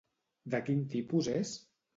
De quin tipus és?